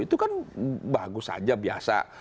itu kan bagus saja biasa